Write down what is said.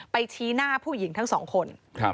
ชี้หน้าผู้หญิงทั้งสองคน